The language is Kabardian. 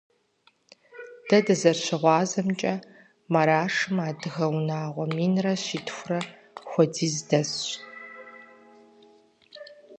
Дэ дызэрыщыгъуазэмкӀэ, Марашым адыгэ унагъуэ минрэ щитхурэ хуэдиз дэсщ.